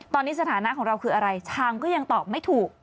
ตอนนี้สถานะของเราคืออะไรชางก็ยังตอบไม่ถูก